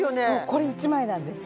これ１枚なんです。